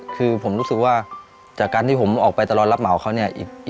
คือผมรู้สึกว่าจากการที่ผมออกไปตลอดรับเหมาเขาเนี่ย